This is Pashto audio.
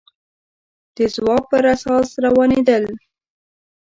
د ځواب پر اساس روانېدل